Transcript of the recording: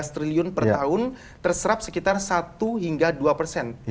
lima belas triliun per tahun terserap sekitar satu hingga dua persen